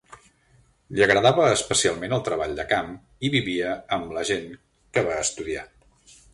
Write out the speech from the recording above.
Li agradava especialment el treball de camp i vivia amb la gent que va estudiar.